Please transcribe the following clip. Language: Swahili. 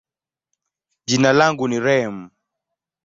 jina langu ni Reem.